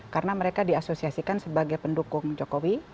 karena mereka diasosiasikan sebagai pendukung jokowi